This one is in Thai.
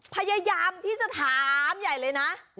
พยายามที่จะถามใหญ่เลยนะ